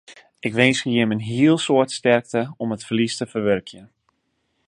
Ik winskje jimme in hiel soad sterkte om it ferlies te ferwurkjen.